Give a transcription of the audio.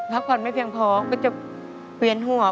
ถ้าคนไม่เพียงพอก็จะเวียนหัว